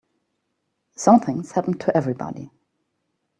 Something's happened to everybody.